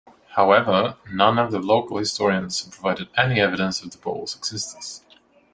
However, none of the local historians have provided any evidence of the Bull's existence.